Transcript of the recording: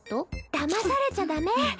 だまされちゃダメ！